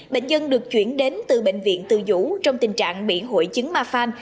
bệnh nhân được chuyển đến từ bệnh viện từ dũ trong tình trạng bị hội chứng mafan